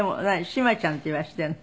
「志麻ちゃん」って言わせているの？